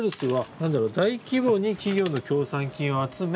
何だろ「大規模に企業の協賛金を集め」。